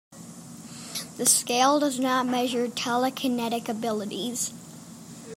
The scale does not measure telekinetic abilities.